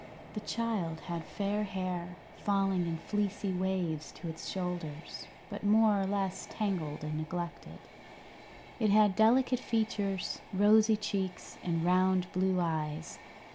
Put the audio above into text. The child had fair hair, falling in fleecy waves to its shoulders, but more or less tangled and neglected. It had delicate features, rosy cheeks, and round blue eyes.